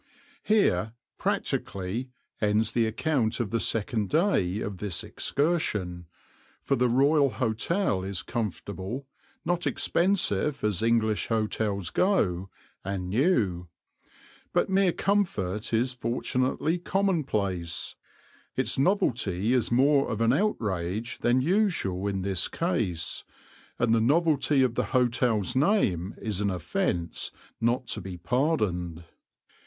Here, practically, ends the account of the second day of this excursion, for the Royal Hotel is comfortable, not expensive as English hotels go, and new; but mere comfort is fortunately commonplace, its novelty is rather more of an outrage than usual in this case, and the novelty of the hotel's name is an offence not to be pardoned.